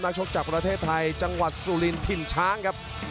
ชกจากประเทศไทยจังหวัดสุรินถิ่นช้างครับ